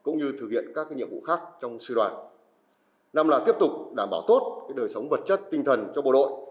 năm là tiếp tục đảm bảo tốt đời sống vật chất tinh thần cho bộ đội